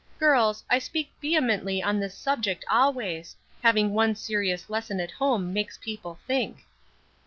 "Girls, I speak vehemently on this subject always; having one serious lesson at home makes people think."